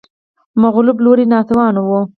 مغلوب لوری ناتوان و